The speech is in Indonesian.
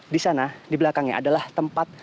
di sana di belakangnya adalah tempat